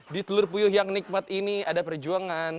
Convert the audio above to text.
di telur puyuh yang nikmat ini ada perjuangan